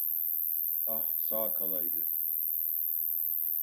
Ah sağ kalaydı…